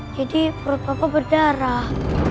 jadi perut papa berdarah